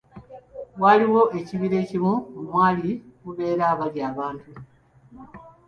Waliwo ekibira ekimu omwali mubeera abalya abantu.